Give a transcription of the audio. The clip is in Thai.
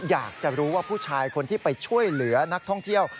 อยากจะรู้ว่าผู้ชายคนที่ไปช่วยเหลือนักท่องเที่ยว